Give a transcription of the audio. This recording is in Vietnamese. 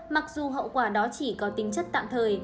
mặc dù hậu quả đó chỉ có tính chất tạm thời